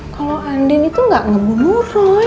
kalo andin itu gak ngebunuh roy